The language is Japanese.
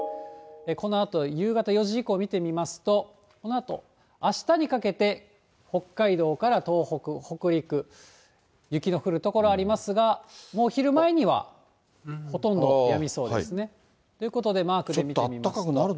このあと夕方４時以降見てみますと、このあと、あしたにかけて、北海道から東北、北陸、雪の降る所ありますが、もう昼前には、ほとんどやみそうですね。ということで、マークで見てみますと。